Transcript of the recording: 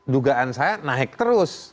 dugaan saya naik terus